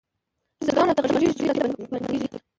چی زرکان راته غږيږی، چی هوسۍ راته پنډيږی